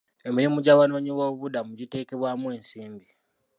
Emirimu gy'abanoonyi b'obubudamu giteekebwamu ensimbi.